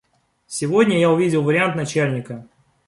Сегодня я увидел вариант начальника.